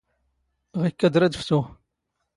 ⵖⵉⴽⴽⴰⴷ ⵔⴰⴷ ⴼⵜⵓⵖ.